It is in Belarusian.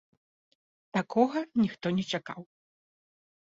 Такога ніхто не чакаў.